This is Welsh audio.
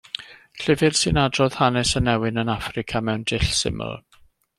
Llyfr sy'n adrodd hanes y newyn yn Affrica mewn dull syml.